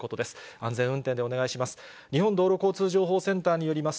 安全運転でお願いします。